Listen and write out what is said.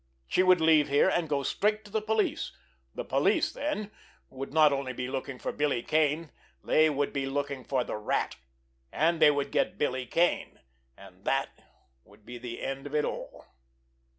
She would leave here, and go straight to the police. The police, then, would not only be looking for Billy Kane, they would be looking for the Rat—and they would get Billy Kane! And that would be the end of it all!